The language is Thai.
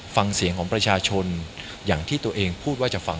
ฟังเสียงของประชาชนอย่างที่ตัวเองพูดว่าจะฟัง